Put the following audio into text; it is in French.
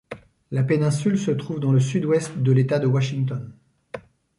La péninsule se trouve dans le sud-ouest de l'État de Washington.